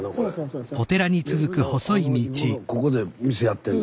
ここで店やってんの？